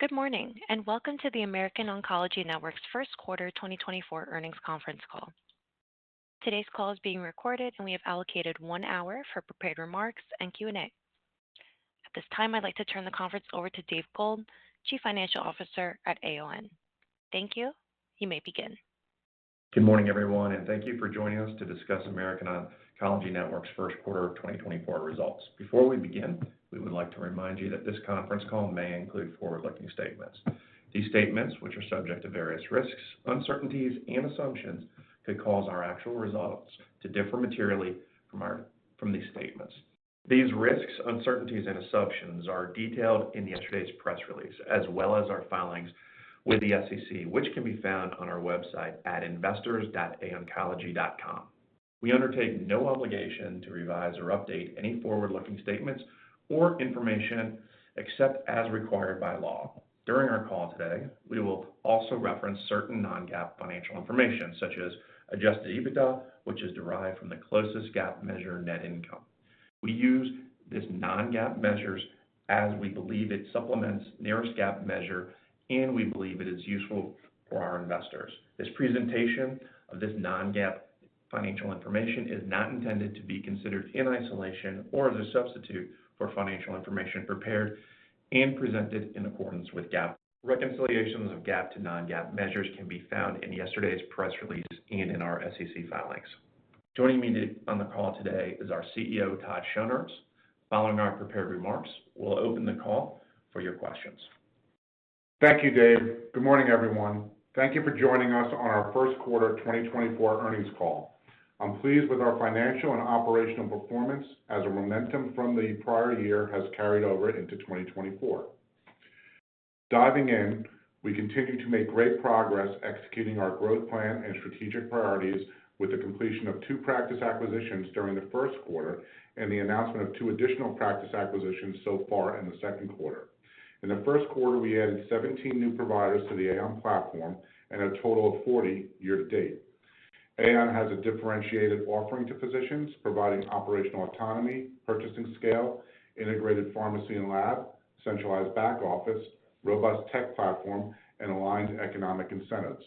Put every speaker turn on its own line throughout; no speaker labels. Good morning, and welcome to the American Oncology Network's first quarter 2024 earnings conference call. Today's call is being recorded, and we have allocated 1-hour for prepared remarks and Q&A. At this time, I'd like to turn the conference over to Dave Gould, Chief Financial Officer at AON. Thank you. You may begin.
Good morning, everyone, and thank you for joining us to discuss American Oncology Network's first quarter of 2024 results. Before we begin, we would like to remind you that this conference call may include forward-looking statements. These statements, which are subject to various risks, uncertainties, and assumptions, could cause our actual results to differ materially from these statements. These risks, uncertainties and assumptions are detailed in yesterday's press release, as well as our filings with the SEC, which can be found on our website at investors.aoncology.com. We undertake no obligation to revise or update any forward-looking statements or information except as required by law. During our call today, we will also reference certain non-GAAP financial information, such as Adjusted EBITDA, which is derived from the closest GAAP measure net income. We use these non-GAAP measures as we believe it supplements nearest GAAP measure, and we believe it is useful for our investors. This presentation of this non-GAAP financial information is not intended to be considered in isolation or as a substitute for financial information prepared and presented in accordance with GAAP. Reconciliations of GAAP to non-GAAP measures can be found in yesterday's press release and in our SEC filings. Joining me on the call today is our CEO, Todd Schonherz. Following our prepared remarks, we'll open the call for your questions.
Thank you, Dave. Good morning, everyone. Thank you for joining us on our first quarter 2024 earnings call. I'm pleased with our financial and operational performance as the momentum from the prior year has carried over into 2024. Diving in, we continue to make great progress executing our growth plan and strategic priorities with the completion of two practice acquisitions during the first quarter and the announcement of two additional practice acquisitions so far in the second quarter. In the first quarter, we added 17 new providers to the AON platform and a total of 40 year to date. AON has a differentiated offering to physicians, providing operational autonomy, purchasing scale, integrated pharmacy and lab, centralized back office, robust tech platform, and aligned economic incentives.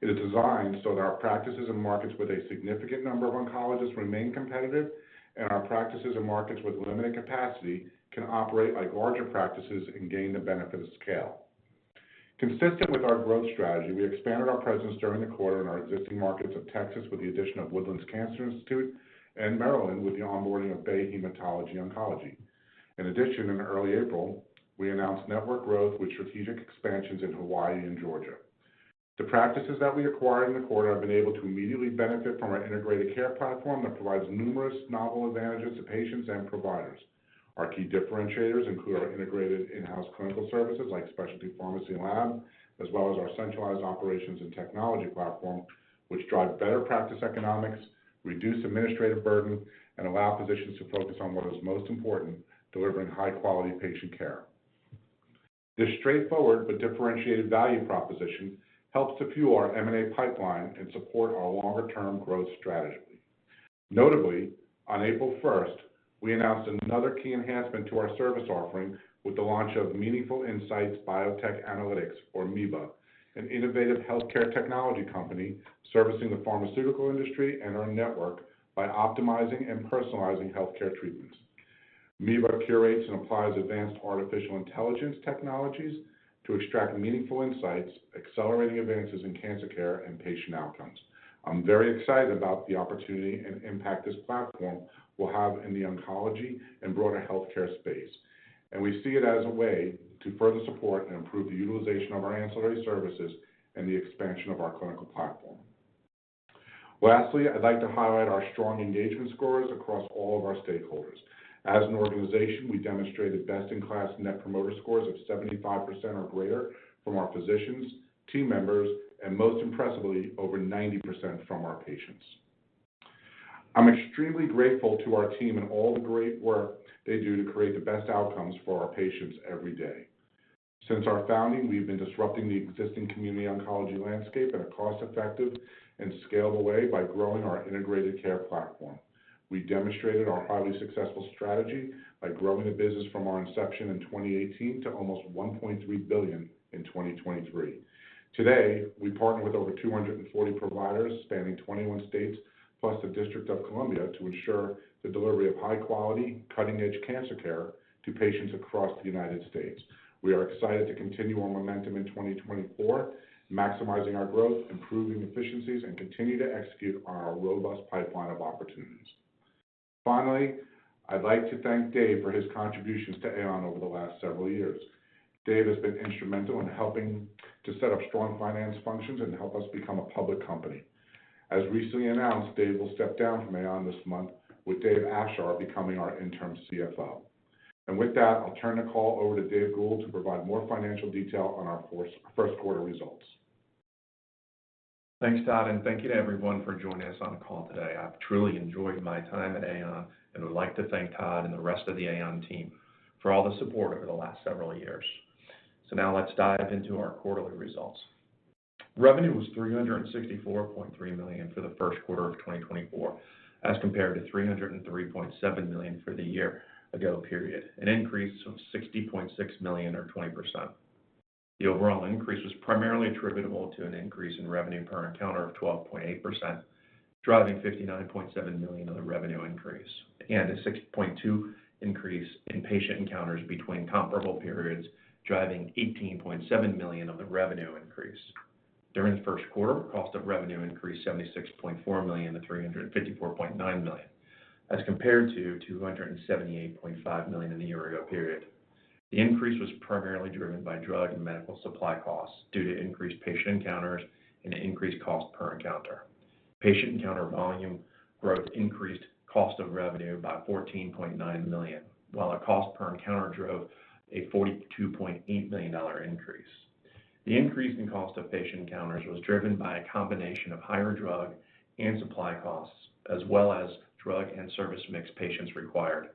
It is designed so that our practices and markets with a significant number of oncologists remain competitive, and our practices and markets with limited capacity can operate like larger practices and gain the benefit of scale. Consistent with our growth strategy, we expanded our presence during the quarter in our existing markets of Texas, with the addition of Woodlands Cancer Institute, and Maryland, with the onboarding of Bay Hematology Oncology. In addition, in early April, we announced network growth with strategic expansions in Hawaii and Georgia. The practices that we acquired in the quarter have been able to immediately benefit from our integrated care platform that provides numerous novel advantages to patients and providers. Our key differentiators include our integrated in-house clinical services, like specialty pharmacy and lab, as well as our centralized operations and technology platform, which drive better practice economics, reduce administrative burden, and allow physicians to focus on what is most important: delivering high-quality patient care. This straightforward but differentiated value proposition helps to fuel our M&A pipeline and support our longer-term growth strategy. Notably, on April first, we announced another key enhancement to our service offering with the launch of Meaningful Insights Biotech Analytics, or MiBA, an innovative healthcare technology company servicing the pharmaceutical industry and our network by optimizing and personalizing healthcare treatments. MiBA curates and applies advanced artificial intelligence technologies to extract meaningful insights, accelerating advances in cancer care and patient outcomes. I'm very excited about the opportunity and impact this platform will have in the oncology and broader healthcare space, and we see it as a way to further support and improve the utilization of our ancillary services and the expansion of our clinical platform. Lastly, I'd like to highlight our strong engagement scores across all of our stakeholders. As an organization, we demonstrated best-in-class Net Promoter Scores of 75% or greater from our physicians, team members, and most impressively, over 90% from our patients. I'm extremely grateful to our team and all the great work they do to create the best outcomes for our patients every day. Since our founding, we've been disrupting the existing community oncology landscape in a cost-effective and scalable way by growing our integrated care platform. We demonstrated our highly successful strategy by growing the business from our inception in 2018 to almost $1.3 billion in 2023. Today, we partner with over 240 providers spanning 21 states, plus the District of Columbia, to ensure the delivery of high-quality, cutting-edge cancer care to patients across the United States. We are excited to continue our momentum in 2024, maximizing our growth, improving efficiencies, and continue to execute on our robust pipeline of opportunities. Finally, I'd like to thank Dave for his contributions to AON over the last several years. Dave has been instrumental in helping to set up strong finance functions and help us become a public company. As recently announced, Dave will step down from AON this month, with David Afshar becoming our interim CFO. With that, I'll turn the call over to Dave Gould to provide more financial detail on our first quarter results.
Thanks, Todd, and thank you to everyone for joining us on the call today. I've truly enjoyed my time at AON and would like to thank Todd and the rest of the AON team for all the support over the last several years. So now let's dive into our quarterly results. Revenue was $364.3 million for the first quarter of 2024, as compared to $303.7 million for the year-ago period, an increase of $60.6 million, or 20%. The overall increase was primarily attributable to an increase in revenue per encounter of 12.8%, driving $59.7 million of the revenue increase and a 6.2% increase in patient encounters between comparable periods, driving $18.7 million of the revenue increase. During the first quarter, cost of revenue increased $76.4 million to $354.9 million, as compared to $278.5 million in the year ago period. The increase was primarily driven by drug and medical supply costs due to increased patient encounters and increased cost per encounter. Patient encounter volume growth increased cost of revenue by $14.9 million, while a cost per encounter drove a $42.8 million dollar increase. The increase in cost of patient encounters was driven by a combination of higher drug and supply costs, as well as drug and service mix patients required.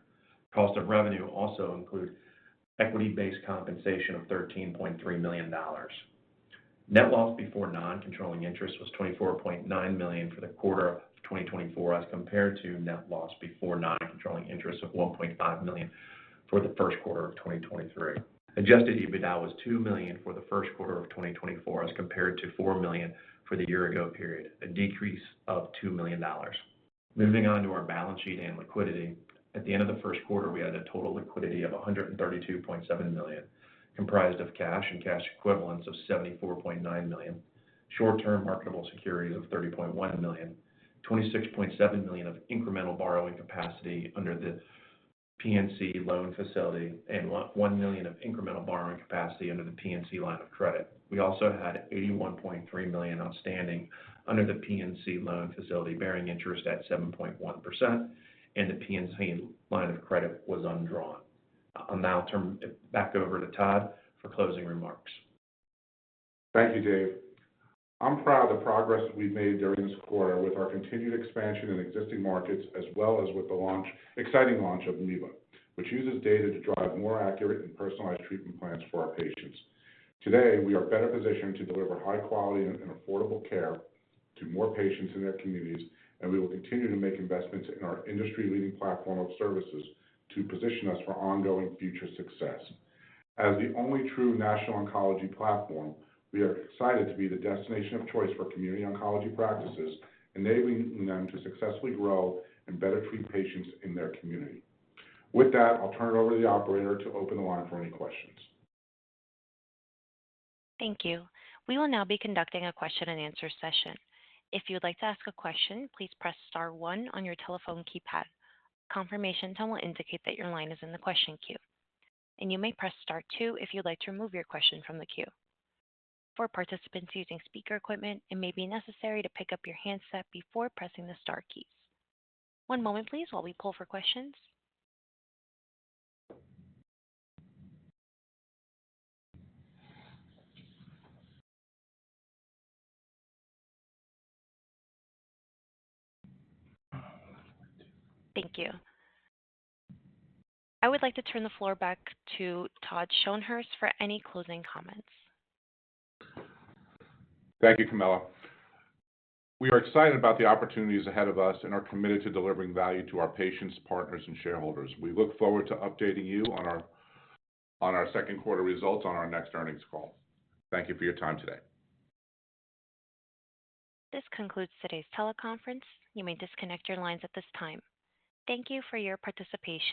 Cost of revenue also include equity-based compensation of $13.3 million. Net loss before non-controlling interest was $24.9 million for the quarter of 2024, as compared to net loss before non-controlling interest of $1.5 million for the first quarter of 2023. Adjusted EBITDA was $2 million for the first quarter of 2024, as compared to $4 million for the year-ago period, a decrease of $2 million. Moving on to our balance sheet and liquidity. At the end of the first quarter, we had a total liquidity of $132.7 million, comprised of cash and cash equivalents of $74.9 million, short-term marketable securities of $30.1 million, $26.7 million of incremental borrowing capacity under the PNC loan facility, and $1.1 million of incremental borrowing capacity under the PNC line of credit. We also had $81.3 million outstanding under the PNC loan facility, bearing interest at 7.1%, and the PNC line of credit was undrawn. I'll now turn it back over to Todd for closing remarks.
Thank you, Dave. I'm proud of the progress we've made during this quarter with our continued expansion in existing markets, as well as with the launch-- exciting launch of MiBA, which uses data to drive more accurate and personalized treatment plans for our patients. Today, we are better positioned to deliver high quality and affordable care to more patients in their communities, and we will continue to make investments in our industry-leading platform of services to position us for ongoing future success. As the only true national oncology platform, we are excited to be the destination of choice for community oncology practices, enabling them to successfully grow and better treat patients in their community. With that, I'll turn it over to the operator to open the line for any questions.
Thank you. We will now be conducting a question and answer session. If you'd like to ask a question, please press star one on your telephone keypad. A confirmation tone will indicate that your line is in the question queue, and you may press star two if you'd like to remove your question from the queue. For participants using speaker equipment, it may be necessary to pick up your handset before pressing the star keys. One moment please while we pull for questions. Thank you. I would like to turn the floor back to Todd Schonherz for any closing comments.
Thank you, Camilla. We are excited about the opportunities ahead of us and are committed to delivering value to our patients, partners, and shareholders. We look forward to updating you on our second quarter results on our next earnings call. Thank you for your time today.
This concludes today's teleconference. You may disconnect your lines at this time. Thank you for your participation.